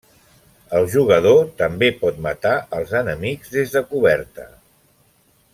El jugador també pot matar els enemics des de coberta.